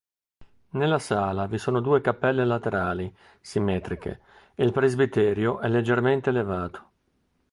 Nella sala vi sono due cappelle laterali simmetriche e il presbiterio è leggermente elevato.